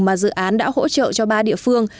mà dự án đã hỗ trợ cho ba địa phương